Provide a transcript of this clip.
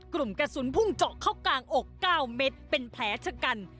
กลุ่มกระสุนพุ่งเจาะเข้ากลางอก๙เม็ดเป็นแผลชะกัน